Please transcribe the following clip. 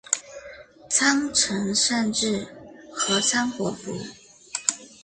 仓成善智合仓活佛。